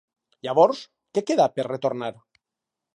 Llavors, què queda per retornar?